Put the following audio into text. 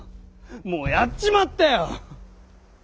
もうやっちまったよ！